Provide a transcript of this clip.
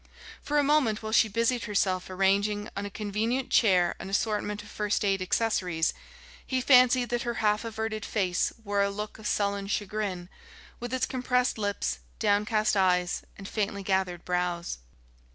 For a moment, while she busied herself arranging on a convenient chair an assortment of first aid accessories, he fancied that her half averted face wore a look of sullen chagrin, with its compressed lips, downcast eyes, and faintly gathered brows.